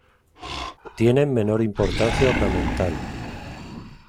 Tienen menor importancia ornamental.